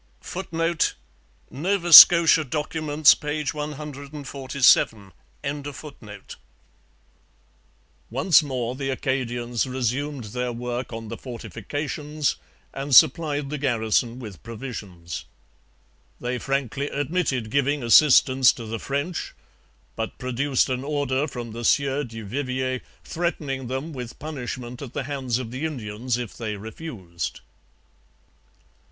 [Footnote: Nova Scotia Documents, p. 147.] Once more the Acadians resumed their work on the fortifications and supplied the garrison with provisions. They frankly admitted giving assistance to the French, but produced an order from the Sieur du Vivier threatening them with punishment at the hands of the Indians if they refused.